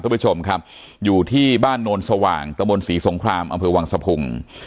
คุณผู้ชมครับอยู่ที่บ้านโนนสว่างตะบนศรีสงครามอำเภอวังสะพุง